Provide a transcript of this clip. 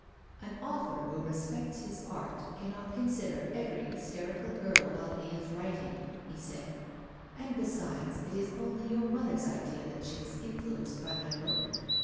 •' An author who respects his art cannot con sider every hysterical girl while he is writing," he said. "And, besides, it is only your mother's idea that she was influenced by my book.